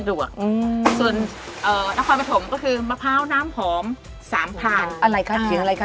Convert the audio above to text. นู่นอยู่ตรงนี้แก่แล้วค่ะ